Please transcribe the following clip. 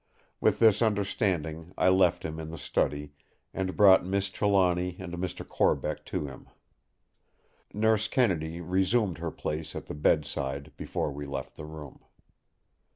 With this understanding I left him in the study, and brought Miss Trelawny and Mr. Corbeck to him. Nurse Kennedy resumed her place at the bedside before we left the room.